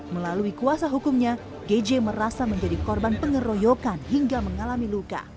melalui kuasa hukumnya gj merasa menjadi korban pengeroyokan hingga mengalami luka